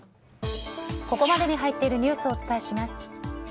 ここまでに入っているニュースをお伝えします。